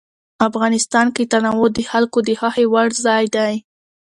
افغانستان کې تنوع د خلکو د خوښې وړ ځای دی.